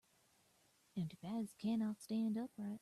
Empty bags cannot stand upright.